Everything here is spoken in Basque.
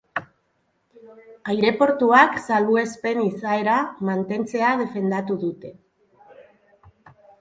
Aireportuak salbuespen izaera mantentzea defendatu dute.